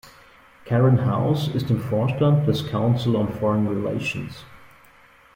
Karen House ist im Vorstand des Council on Foreign Relations.